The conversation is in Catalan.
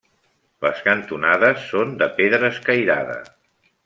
Les cantonades són de pedra escairada.